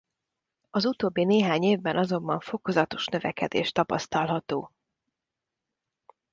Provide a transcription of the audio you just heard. Az utóbbi néhány évben azonban fokozatos növekedés tapasztalható.